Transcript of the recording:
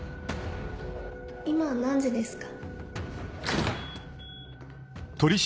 今何時ですか？